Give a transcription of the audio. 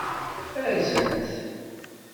Azen-t!